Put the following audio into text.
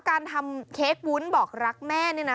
การทำเค้กวุ้นบอกรักแม่นี่นะ